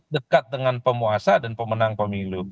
dekat dengan penguasa dan pemenang pemilu